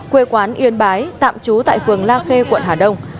quê quán yên bái tạm trú tại phường la khê quận hà đông